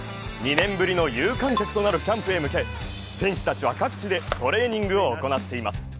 ２年ぶりの有観客となるキャンプへ向け、選手たちは各地でトレーニングを行っています。